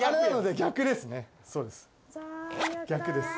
逆です。